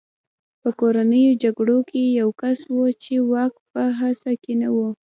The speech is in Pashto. په کورنیو جګړو کې یو کس و چې واک په هڅه کې نه و